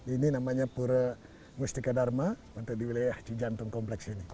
ini namanya pura mustika dharma untuk di wilayah cijantung kompleks ini